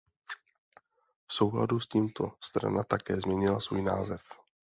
V souladu s tímto strana také změnila svůj název.